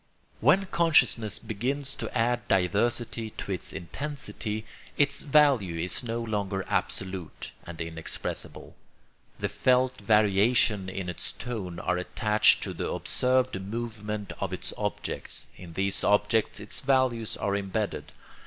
] When consciousness begins to add diversity to its intensity, its value is no longer absolute and inexpressible. The felt variations in its tone are attached to the observed movement of its objects; in these objects its values are imbedded.